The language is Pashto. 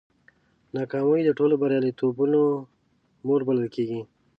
ناکامي د ټولو بریالیتوبونو مور بلل کېږي.